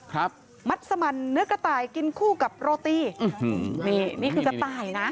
ครับมัดสมันเนื้อกระต่ายกินคู่กับโรตีอืมนี่นี่คือกระต่ายนะ